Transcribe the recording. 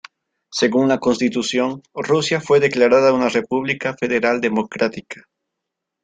Según la constitución, Rusia fue declarada una república federal democrática.